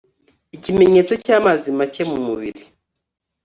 ikimenyetso cyamazi make mumubiri